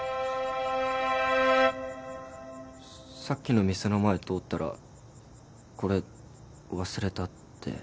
さっきの店の前通ったらこれ忘れたって。